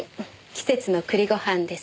季節の栗ご飯です。